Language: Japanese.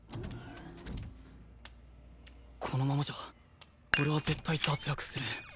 このままじゃ俺は絶対脱落する